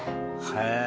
へえ。